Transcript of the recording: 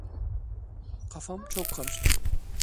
Kafam çok karıştı.